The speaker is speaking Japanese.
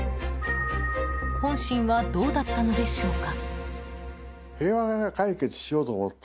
本心はどうだったのでしょうか？